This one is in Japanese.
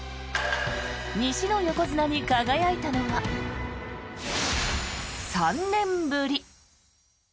西の横綱に輝いたのは「＃３年ぶり」。